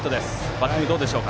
バッティングどうでしょう。